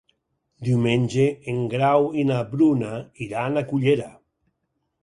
Diumenge en Grau i na Bruna iran a Cullera.